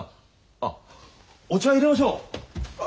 あっお茶いれましょう！